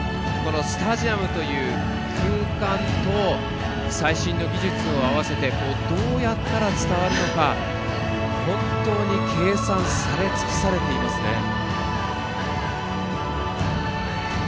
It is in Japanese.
このスタジアムという空間と最新の技術を合わせてどうやったら伝わるのか、本当に計算されつくされていますね。